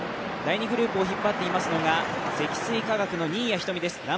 第２グループを引っ張っていますのが積水化学の新谷仁美です。